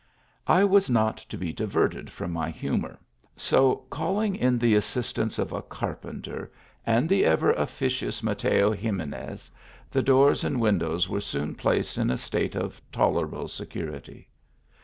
I was not to be diverted from my humour, so call ing in the assistance of a carpenter, and the ever ofticious Mateo Ximenes, the doors and windows were soon placed in a state of tolerable security.